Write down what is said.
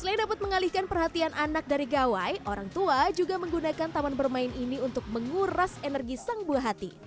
selain dapat mengalihkan perhatian anak dari gawai orang tua juga menggunakan taman bermain ini untuk menguras energi sang buah hati